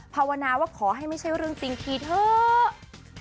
ภาวนาว่าขอให้ไม่ใช่เรื่องจริงทีเถอะ